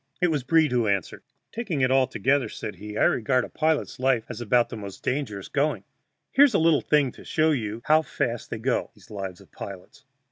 It was Breed who answered: "Taking it altogether," said he, "I regard a pilot's life as about the most dangerous going. Here's a little thing to show you how fast they go, these lives of pilots.